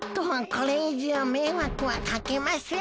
これいじょうめいわくはかけません。